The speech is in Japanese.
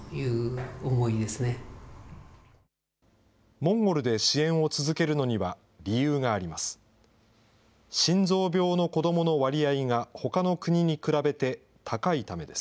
モンゴルで支援を続けるのには理由があります。